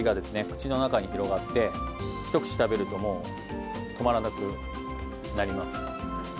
口の中に広がって一口食べるともう止まらなくなります。